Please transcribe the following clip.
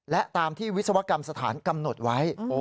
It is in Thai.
และตามที่วิศวกรรมสถานกำหนดไว้